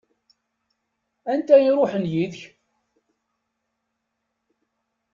Anta i iṛuḥen yid-k?